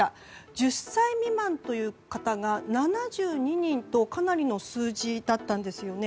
１０歳未満という方が７２人とかなりの数字だったんです。